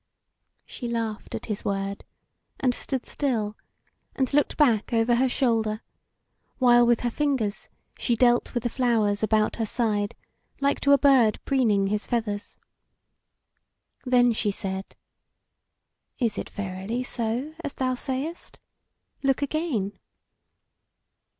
She laughed at his word, and stood still, and looked back over her shoulder, while with her fingers she dealt with the flowers about her side like to a bird preening his feathers. Then she said: "Is it verily so as thou sayest? Look again!"